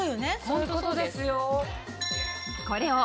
そういうことですよ。